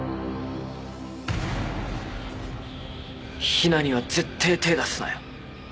ヒナには絶対手出すなよ。